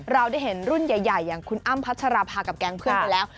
เราได้เห็นรุ่นใหญ่อย่างคุณอ้ำพัชราภากับแก๊งเพื่อนไปแล้ว